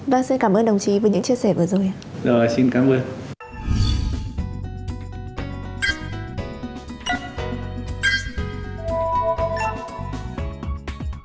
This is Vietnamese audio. vâng xin cảm ơn đồng chí với những chia sẻ vừa rồi